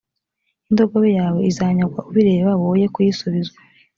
indogobe yawe izanyagwa ubireba, woye kuyisubizwa;